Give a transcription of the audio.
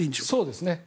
そうですね。